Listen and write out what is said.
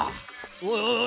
おいおい